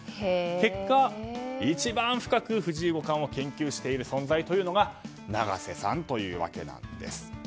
結果、一番深く藤井五冠を研究している存在というのが永瀬さんというわけなんです。